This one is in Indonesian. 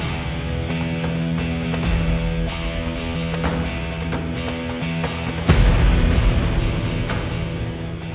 ya udah yaudah